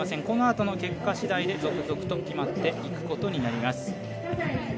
このあとの結果しだいで続々と決まっていくことになります。